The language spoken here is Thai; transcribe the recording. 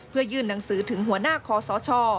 เพื่อยื่นหนังสือถึงหัวหน้าคอสช